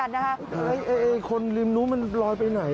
อันนี้ก่อคนตูบข่าวว่าก็ว่าแล้ว